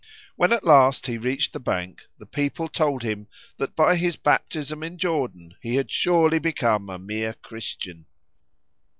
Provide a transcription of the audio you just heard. When at last he reached the bank the people told him that by his baptism in Jordan he had surely become a mere Christian.